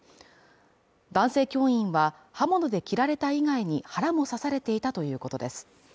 男性教員は刃物で切られた以外に腹も刺されていたということです。